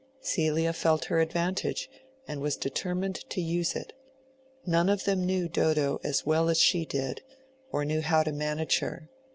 Celia felt her advantage, and was determined to use it. None of them knew Dodo as well as she did, or knew how to manage her.